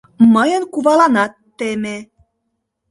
Мыйын куваланат теме.